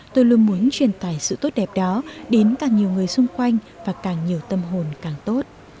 tôi luôn muốn truyền tải sự tốt đẹp đó đến càng nhiều người xung quanh và càng nhiều tâm hồn càng tốt